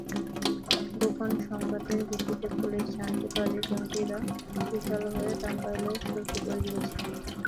গোপন সংবাদের ভিত্তিতে পুলিশ জানতে পারে জঙ্গিরা ত্রিশাল হয়ে টাঙ্গাইলের সখিপুর গিয়েছে।